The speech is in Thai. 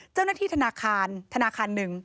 เจ้าหน้าที่ธนาคารธนาคารหนึ่ง